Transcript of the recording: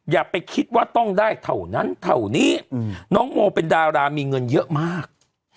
อย่าไปคิดว่าต้องได้เท่านั้นเท่านี้น้องโมเป็นดารามีเงินเยอะมาก